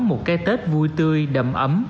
một cái tết vui tươi đậm ấm